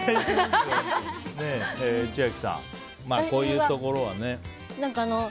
千秋さん、こういうところはね。